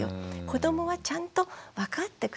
子どもはちゃんと分かってくれてる。